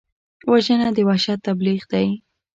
وژنه د وحشت تبلیغ دی